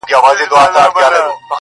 او که برعکس، -